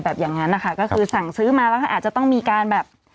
แบบอย่างนั้นนะคะก็คือสั่งซื้อมาแล้วก็อาจจะต้องมีการแบบ